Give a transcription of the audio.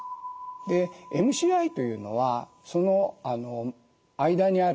でＭＣＩというのはその間にある概念です。